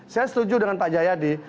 saya setuju dengan pak jayadi